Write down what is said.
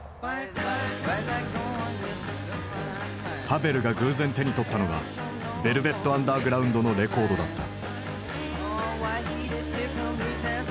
ハヴェルが偶然手に取ったのがヴェルヴェット・アンダーグラウンドのレコードだった。